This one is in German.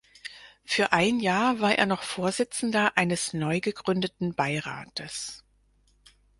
Für ein Jahr war er noch Vorsitzender eines neugegründeten Beirates.